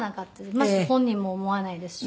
まして本人も思わないですし。